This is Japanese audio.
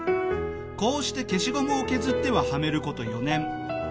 こうして消しゴムを削ってははめる事４年。